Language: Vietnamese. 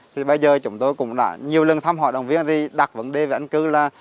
thì bây giờ chúng tôi cũng đã nhiều lần thăm hội đồng viên thì đặt vấn đề với anh cứ là